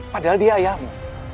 padahal dia ayahmu